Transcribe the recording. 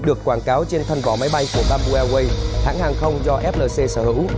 được quảng cáo trên thân vỏ máy bay của bambu airways hãng hàng không do flc sở hữu